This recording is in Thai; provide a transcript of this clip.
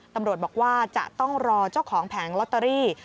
ตำรวจบอกว่าจะต้องรอเจ้าของแผงลอตเตอรี่